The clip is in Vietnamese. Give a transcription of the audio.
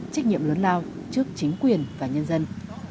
trách nhiệm lớn lao trước chính quyền và nhân dân